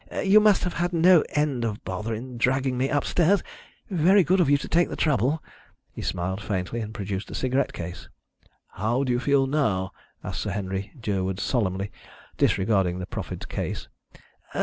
You must have had no end of a bother in dragging me upstairs very good of you to take the trouble." He smiled faintly, and produced a cigarette case. "How do you feel now?" asked Sir Henry Durwood solemnly, disregarding the proffered case.